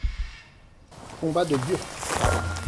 Combat de Burk.